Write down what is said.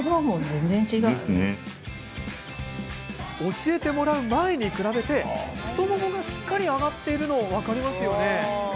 教えてもらう前に比べて太ももがしっかり上がっているの分かりますよね。